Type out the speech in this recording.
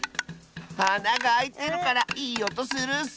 あながあいてるからいいおとするッス！